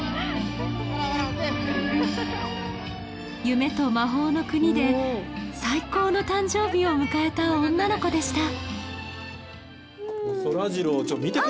夢と魔法の国で最高の誕生日を迎えた女の子でした